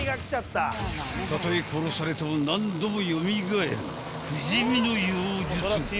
［たとえ殺されても何度も蘇る不死身の妖術］